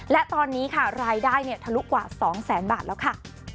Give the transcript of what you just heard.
และตอนนี้ค่ะรายได้ทะลุกว่า๒แสนบาทแล้วค่ะ